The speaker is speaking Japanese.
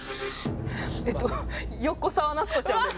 えっと横澤夏子ちゃんです。